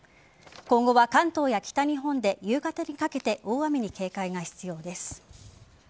今後は関東や北日本で夕方にかけて大雨に警戒が必要です。